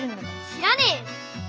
知らねえよ！